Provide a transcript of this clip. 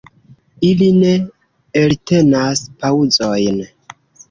Ili ne eltenas paŭzojn.